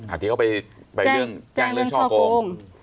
อาทิตย์เขาไปแจงเรื่องช่องโครง